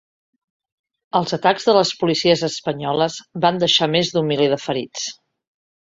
Els atacs de les policies espanyoles van deixar més d’un miler de ferits.